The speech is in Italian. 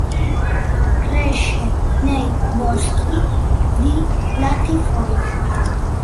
Cresce nei boschi di latifoglie.